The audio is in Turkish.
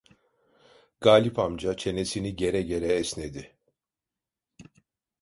Galip amca çenesini gere gere esnedi.